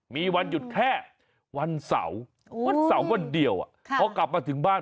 มีวันหยุดแค่วันเสาร์วันเสาร์วันเดียวพอกลับมาถึงบ้าน